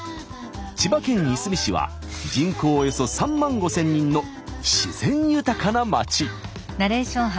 千葉県いすみ市は人口およそ３万５，０００人の自然豊かなまち。